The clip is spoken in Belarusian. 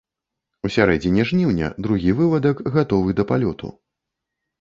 У сярэдзіне жніўня другі вывадак гатовы да палёту.